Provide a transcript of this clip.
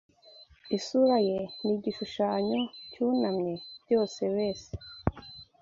Isura ye nigishushanyo cyunamye, byose besi